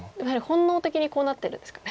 本能的にこうなってるんですかね